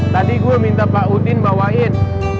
tadi gue minta pak udin bawain